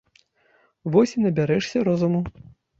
Вось і набярэшся розуму.